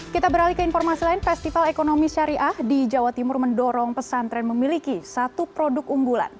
kita beralih ke informasi lain festival ekonomi syariah di jawa timur mendorong pesantren memiliki satu produk unggulan